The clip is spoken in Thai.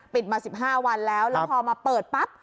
มา๑๕วันแล้วแล้วพอมาเปิดปั๊บ